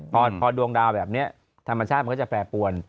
พอดวงดาวแบบนี้ธรรมชาติมันก็จะแปรปวน